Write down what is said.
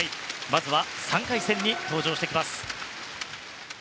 まずは３回戦に登場してきます。